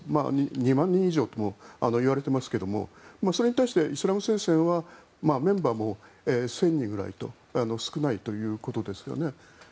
２万人以上ともいわれていますがそれに対してイスラム聖戦はメンバーも１０００人ぐらいと少ないということですね。